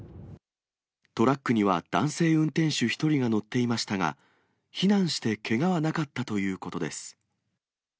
トラックには男性運転手１人が乗っていましたが、避難してけがはなかったということです。